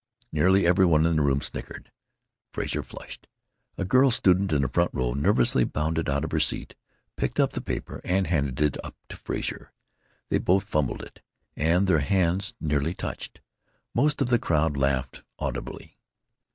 Nearly every one in the room snickered. Frazer flushed. A girl student in the front row nervously bounded out of her seat, picked up the paper, and handed it up to Frazer. They both fumbled it, and their heads nearly touched. Most of the crowd laughed audibly.